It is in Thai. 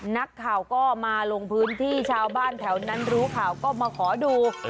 นักข่าวก็มาลงพื้นที่ชาวบ้านแถวนั้นรู้ข่าวก็มาขอดู